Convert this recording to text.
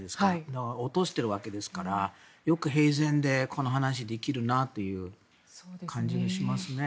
だから落としているわけですからよく平然でこの話ができるなという感じがしますね。